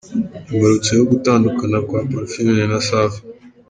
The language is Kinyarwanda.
Imbarutso yo gutandukana kwa Parfine na Safi….